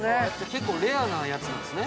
◆結構レアなやつなんですね。